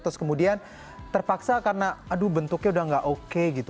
terus kemudian terpaksa karena aduh bentuknya udah gak oke gitu